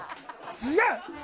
違う！